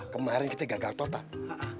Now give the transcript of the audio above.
kemarin kita gagal total